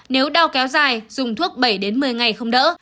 nếu đau kéo dài dùng thuốc bảy đến một mươi ngày không đỡ